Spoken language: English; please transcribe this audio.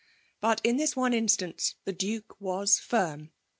But, in this one instance, the Bnke was ficm.